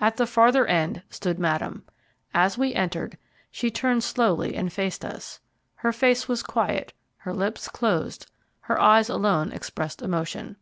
At the farther end stood Madame. As we entered, she turned slowly and faced us; her face was quiet, her lips closed, her eyes alone expressed emotion.